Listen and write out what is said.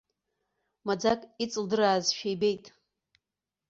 Маӡак иҵылдыраазшәа ибеит.